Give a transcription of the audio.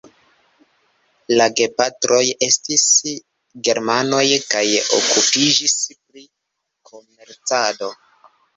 La gepatroj estis germanoj kaj okupiĝis pri komercado.